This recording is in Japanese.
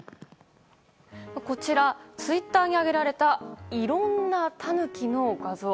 こちらツイッターに上げられたいろんなタヌキの画像。